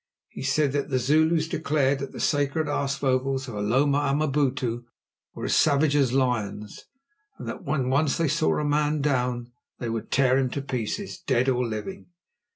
He said that the Zulus declared that the sacred aasvogels of Hloma Amabutu were as savage as lions, and that when once they saw a man down they would tear him to pieces, dead or living.